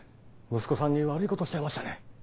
息子さんに悪いことしちゃいましたね。